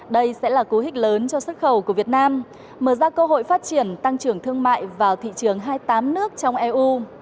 đây sẽ là cố hích lớn cho xuất khẩu của việt nam mở ra cơ hội phát triển tăng trưởng thương mại vào thị trường hai mươi tám nước trong eu